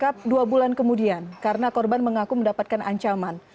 khusus ini baru terungkap dua bulan kemudian karena korban mengaku mendapatkan ancaman